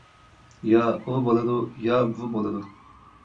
يا ئۇ بولىدۇ يا بۇ بولىدۇ.